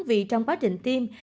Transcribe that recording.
vì trong quá trình tim